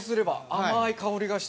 甘い香りがしてきて。